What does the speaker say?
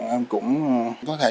em cũng có thể